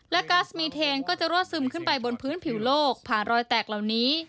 และก๊าซมีเทนก็จะรั่วซึมขึ้นไปบนพื้นผิวโลกผ่านรอยแตกเหล่านี้